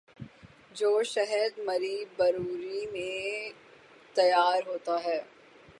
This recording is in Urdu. جو شہد مری بروری میں تیار ہوتا ہے۔